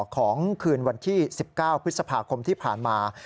ของคืนวันที่๑๙พฤษภาคมที่ผ่านมา